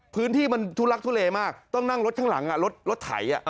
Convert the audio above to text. พื้นที่มันทุลักทุเลมากต้องนั่งรถข้างหลังรถไถ